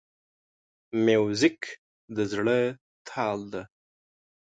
موزیک د زړه تال ده.